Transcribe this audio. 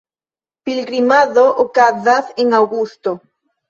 Pilgrimado okazas en aŭgusto.